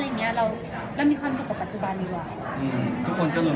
คิดว่าพี่อ้างเขาจะจะมาถึงไทยเราหรือ